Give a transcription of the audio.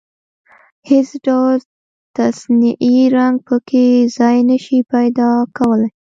هېڅ ډول تصنعي رنګ په کې ځای نشي پيدا کولای.